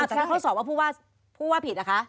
แต่ถ้าเขาสอบว่าผู้ว่าผิดเหรอคะ